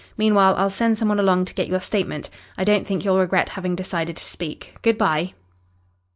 Meanwhile, I'll send some one along to get your statement. I don't think you'll regret having decided to speak. Good bye."